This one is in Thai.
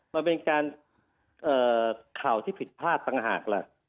มันเป็นข่าวที่ผิดพลาดต่างหาก